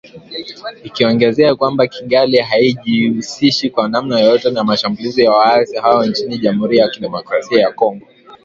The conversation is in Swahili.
Ikiongezea kwamba “Kigali haijihusishi kwa namna yoyote na mashambulizi ya waasi hao nchini Jamhuri ya Kidemokrasia ya Kongo”